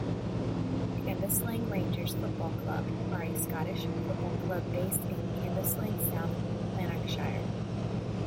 Cambuslang Rangers Football Club are a Scottish football club based in Cambuslang, South Lanarkshire.